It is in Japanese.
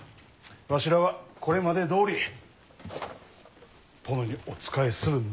わしらはこれまでどおり殿にお仕えするのみ。